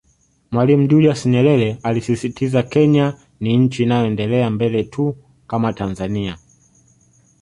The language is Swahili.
Mwalimu Julius Nyerere alisisitiza Kenya ni nchi inayoendelea mbele tu kama Tanzania